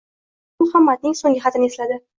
U yana Muhammadning so`nggi xatini esladi